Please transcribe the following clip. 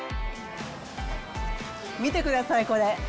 見てください、これ。